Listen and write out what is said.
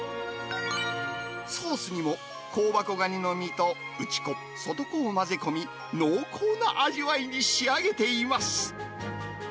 ソースにも香箱ガニの身と、内子、外子を混ぜ込み、濃厚な味わいに仕上げています。